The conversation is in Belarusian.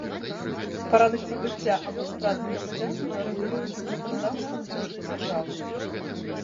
Парадак набыцця або страты грамадзянства рэгулюецца заканадаўствам кожнай дзяржавы.